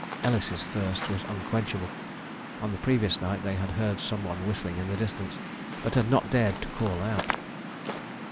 Ellis's thirst was unquenchable. On the previous night they had heard some one whistling in the distance, but had not dared to call out.